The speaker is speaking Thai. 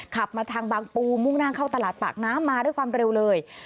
ขับมาทางบางปูมุ่งหน้าเข้าตลาดปากน้ำมาด้วยความเร็วเลย